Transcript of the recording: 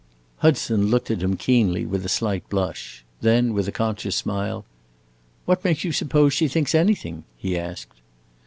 Hudson looked at him keenly, with a slight blush. Then, with a conscious smile, "What makes you suppose she thinks anything?" he asked.